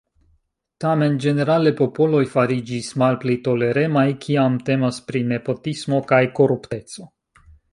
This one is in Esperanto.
Tamen ĝenerale popoloj fariĝis malpli toleremaj, kiam temas pri nepotismo kaj korupteco.